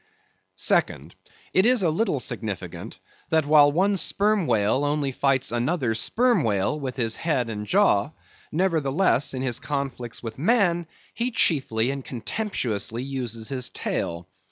Second: It is a little significant, that while one sperm whale only fights another sperm whale with his head and jaw, nevertheless, in his conflicts with man, he chiefly and contemptuously uses his tail.